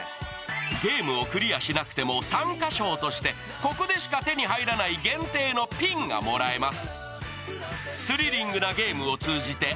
ゲームをクリアしなくても参加賞としてここでしか手に入らない限定のピンがもらえます。